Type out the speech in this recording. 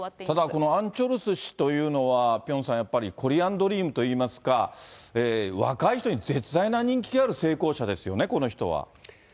ただこのアン・チョルス氏というのは、ピョンさん、やっぱりコリアンドリームといいますか、若い人に絶大な人気がある成功者ですよね、この人は。